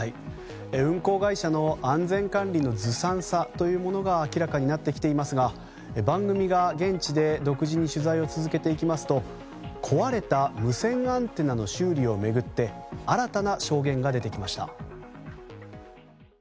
運航会社の安全管理のずさんさというものが明らかになってきていますが番組が現地で独自に取材を続けていきますと壊れた無線アンテナの修理を巡って新たな証言が出てきました。